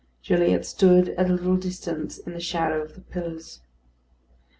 Gilliatt stood at a little distance in the shadow of the pillars.